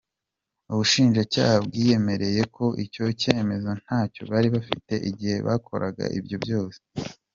Ubushinjacyaha bwiyemereye ko icyo cyemezo ntacyo bari bafite igihe bakoraga ibyo byose!